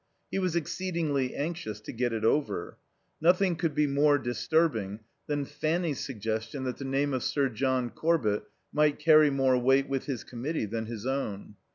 He was exceedingly anxious to get it over. Nothing could be more disturbing than Fanny's suggestion that the name of Sir John Corbett might carry more weight with his Committee than his own.